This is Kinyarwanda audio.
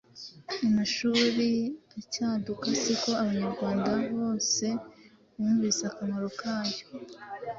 Amashuri acyaduka si ko Abanyarwanda hose bumvise akamaro kayo.